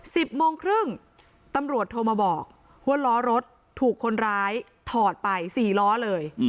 สิบโมงครึ่งตำรวจโทรมาบอกว่าล้อรถถูกคนร้ายถอดไปสี่ล้อเลย